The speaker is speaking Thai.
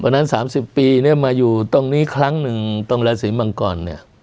เพราะฉะนั้น๓๐ปีมาอยู่ตรงนี้ครั้งหนึ่งตรงราศีมังกรเนี่ย